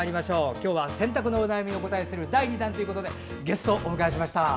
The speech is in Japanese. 今日は洗濯のお悩みにお答えする第２弾ということでゲストをお迎えしました。